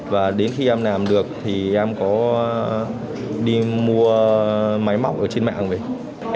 và đến khi em làm được thì em có đi mua máy mọc ở trên mạng vậy